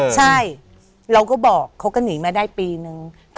ใช่เราก็บอกเขาก็หนีมาได้ปีนึง